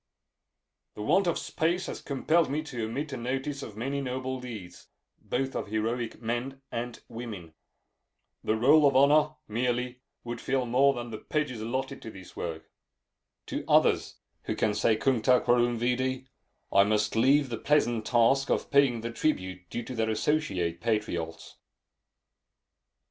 The want of space has compelled me to omit a notice of many noble deeds, both of heroic men and women. The roll of honor, merely, would fill more than the pages allotted to this work. To others, who can say cuncta quorum vidi, I must leave the pleasant task of paying the tribute due to their associate patriots.